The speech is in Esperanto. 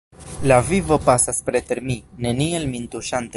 La vivo pasas preter mi, neniel min tuŝante.